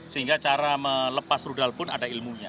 sehingga cara melepas rudal pun ada ilmunya